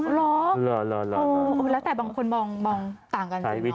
หรอโอ้โฮแล้วแต่บางคนมองต่างกันใช่ไหมน้อง